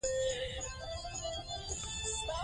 موږ بايد له منطق سره سمې جملې وليکو.